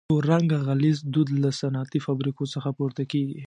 تور رنګه غلیظ دود له صنعتي فابریکو څخه پورته کیږي.